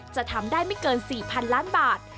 จะทำได้ไม่เกิน๔๐๐๐ล้านบาท